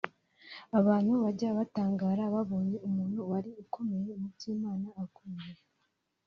Abantu bajya batangara babonye umuntu wari ukomeye mu by’Imana aguye